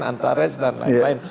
antares dan lain lain